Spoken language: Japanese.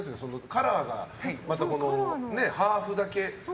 カラーが、またハーフだけ。